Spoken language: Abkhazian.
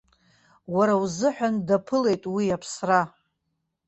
Уара узыҳәан даԥылеит уи аԥсра.